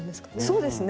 そうですね。